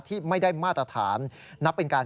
ที่ไม่ได้มาตรฐานนับเป็นการ